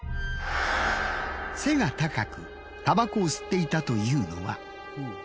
背が高くタバコを吸っていたというのは。